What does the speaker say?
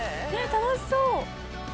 楽しそう！